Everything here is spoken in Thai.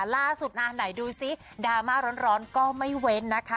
ล่าสุดงานไหนดูซิดราม่าร้อนก็ไม่เว้นนะคะ